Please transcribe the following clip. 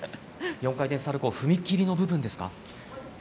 ４回転サルコー踏み切りの部分ですか？